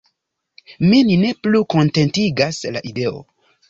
Min ne plu kontentigas la ideo!